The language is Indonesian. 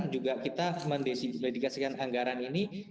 juga kita mendesigasi dedikasikan anggaran ini